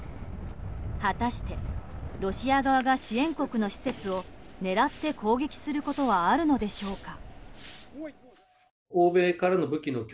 果たしてロシア側が支援国の施設を狙って攻撃することはあるのでしょうか？